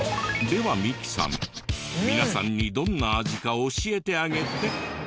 ではミキさん皆さんにどんな味か教えてあげて。